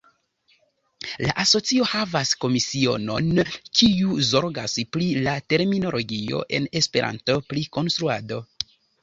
La asocio havas komisionon kiu zorgas pri la terminologio en Esperanto pri konstruado.